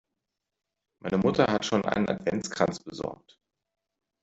Meine Mutter hat schon einen Adventskranz besorgt.